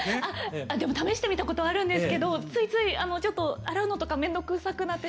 でも試してみたことはあるんですけどついついちょっと洗うのとか面倒くさくなって。